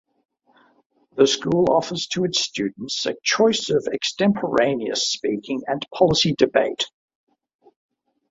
The school offers to its students a choice of Extemporaneous Speaking and Policy Debate.